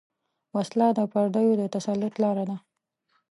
وسله د پردیو د تسلط لاره ده